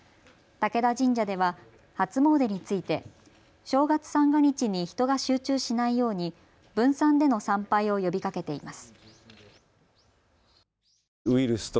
武田神社では初詣について正月三が日に人が集中しないように分散での参拝を呼びかけています。